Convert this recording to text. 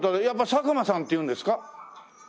やっぱサクマさんっていうんですか？